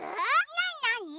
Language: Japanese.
なになに？